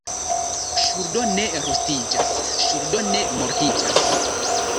Ŝuldo ne rustiĝas, ŝuldo ne mortiĝas.